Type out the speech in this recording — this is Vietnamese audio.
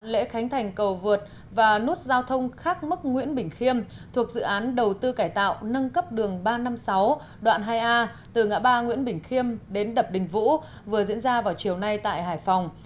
lễ khánh thành cầu vượt và nút giao thông khác mức nguyễn bình khiêm thuộc dự án đầu tư cải tạo nâng cấp đường ba trăm năm mươi sáu đoạn hai a từ ngã ba nguyễn bình khiêm đến đập đình vũ vừa diễn ra vào chiều nay tại hải phòng